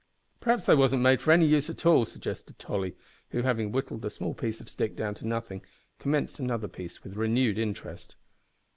"P'r'aps they wasn't made for any use at all," suggested Tolly, who, having whittled a small piece of stick down to nothing, commenced another piece with renewed interest.